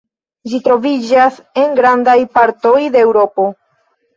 Ĝi troviĝas en grandaj partoj de Eŭropo.